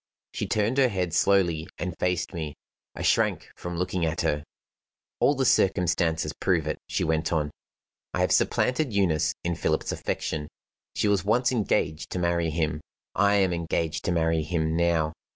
She turned her head slowly and faced me. I shrank from looking at her. "All the circumstances prove it," she went on. "I have supplanted Eunice in Philip's affection. She was once engaged to marry him; I am engaged to marry him now.